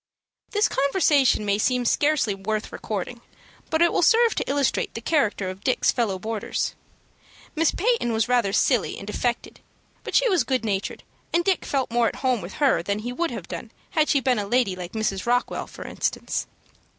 This conversation may seem scarcely worth recording, but it will serve to illustrate the character of Dick's fellow boarders. Miss Peyton was rather silly and affected, but she was good natured, and Dick felt more at home with her than he would have done had she been a lady like Mrs. Rockwell, for instance.